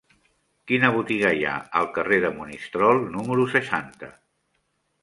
Quina botiga hi ha al carrer de Monistrol número seixanta?